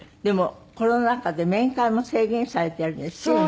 でもコロナ禍で面会も制限されてるんですって？